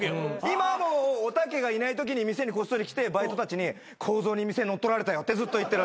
今はもうおたけがいないときに店にこっそり来てバイトたちに「浩三に店乗っ取られたよ」ってずっと言ってるらしく。